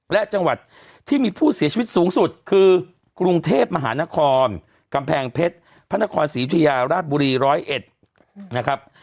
และจังหวัดที่มีผู้เสียชีวิตสูงสุดคือกรุงเทพมหานครกำแพงเพชรพระนครศรียุธยาราชบุรี๑๐๑นะครับ